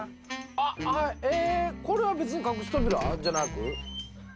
あっ、えー、これは別に隠し扉じゃなく？